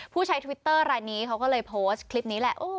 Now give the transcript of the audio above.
ใช้ทวิตเตอร์รายนี้เขาก็เลยโพสต์คลิปนี้แหละ